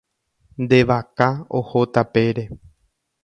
Nde vaka oho tapére.